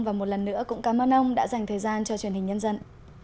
và một lần nữa cũng cảm ơn ông đã dành thời gian cho truyền hình nhân dân